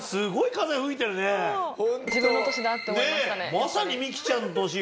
まさにミキちゃんの年よ。